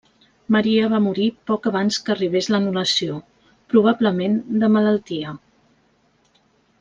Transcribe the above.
Maria va morir poc abans que arribés l'anul·lació, probablement de malaltia.